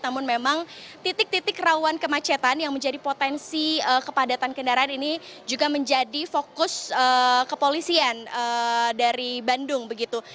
namun memang titik titik rawan kemacetan yang menjadi potensi kepadatan kendaraan ini juga menjadi fokus kepolisian dari bandung begitu